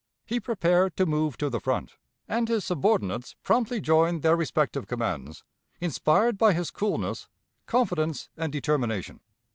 He prepared to move to the front, and his subordinates promptly joined their respective commands, inspired by his coolness, confidence, and determination.